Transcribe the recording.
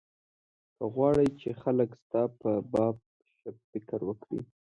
که غواړې چې خلک ستا په باب ښه فکر وکړي.